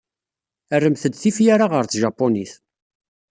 Rremt-d tifyar-a ɣer tjapunit.